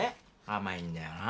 甘いんだよな。